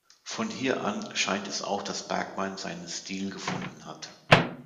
Von hier an scheint es auch, dass Bergman "seinen Stil" gefunden hat.